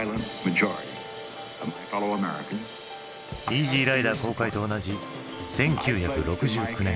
「イージー★ライダー」公開と同じ１９６９年。